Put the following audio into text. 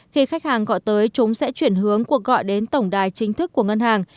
khi khách hàng gọi tới chúng sẽ chuyển hướng cuộc gọi đến tổng đài chính thức của ngân hàng